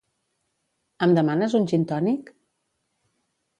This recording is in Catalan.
Em demanes un gin tònic?